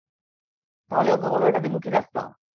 তাহলে ওকে বলো এটা দ্বিমুখী রাস্তা।